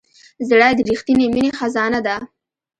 زړه د رښتینې مینې خزانه ده.